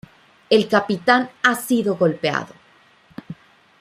El capitán ha sido golpeado.